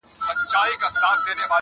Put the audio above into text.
ته مي آیینه یې له غبار سره مي نه لګي.!